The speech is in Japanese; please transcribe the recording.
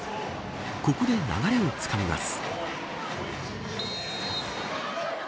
ここで流れをつかみます。